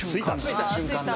ついた瞬間だ。